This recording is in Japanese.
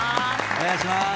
お願いします。